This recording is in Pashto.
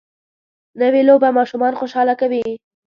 نوې لوبه ماشومان خوشحاله کوي